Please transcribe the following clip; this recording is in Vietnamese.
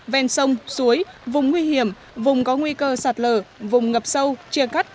ven sông suối vùng nguy hiểm vùng có nguy cơ sạt lở vùng ngập sâu chia cắt